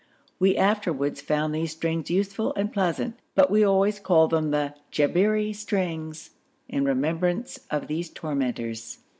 We afterwards found these strings useful and pleasant, but we always called them the 'Jabberi strings' in remembrance of these tormentors.